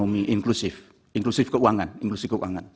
berlebar ulang rheumatik ketika dia telah kemas tanpa pengalaman tempat suara yang